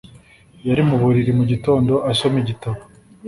Yari mu buriri mugitondo asoma igitabo.